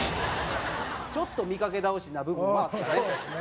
ちょっと見かけ倒しな部分もあったね。